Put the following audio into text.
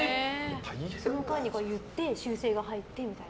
言って修正が入ってみたいな？